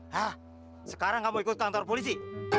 hah sekarang kamu ikut kantor polisi